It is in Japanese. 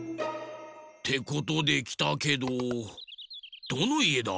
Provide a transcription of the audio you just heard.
てことできたけどどのいえだ？